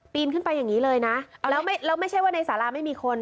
นขึ้นไปอย่างนี้เลยนะแล้วไม่ใช่ว่าในสาราไม่มีคน